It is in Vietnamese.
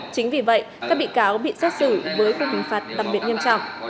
chính vì vậy các bị cáo bị xét xử với cuộc hình phạt tạm biệt nghiêm trọng